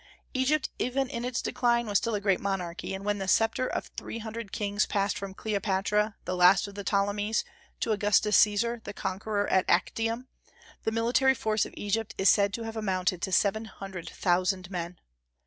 Egypt even in its decline was still a great monarchy; and when the sceptre of three hundred kings passed from Cleopatra the last of the Ptolemies, to Augustus Caesar the conqueror at Actium, the military force of Egypt is said to have amounted to seven hundred thousand men.